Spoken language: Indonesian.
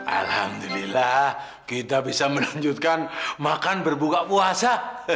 alhamdulillah kita bisa melanjutkan makan berbuka puasa